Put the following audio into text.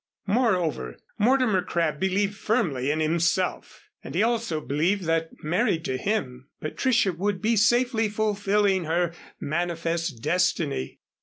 Moreover, Mortimer Crabb believed firmly in himself, and he also believed that, married to him, Patricia would be safely fulfilling her manifest destiny.